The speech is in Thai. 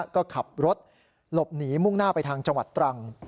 ก็ขับรถหลบหนีมุ่งหน้าไปทางจังหวัดตรัง